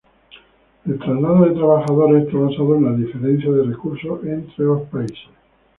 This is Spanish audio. El traslado de trabajadores está basado en la diferencia de recursos entre los países.